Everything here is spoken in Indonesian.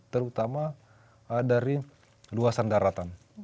terutama dari luasan daratan